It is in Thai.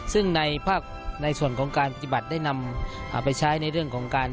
ซึ่งในภาคในส่วนของการปฏิบัติได้นำไปใช้ในเรื่องของการ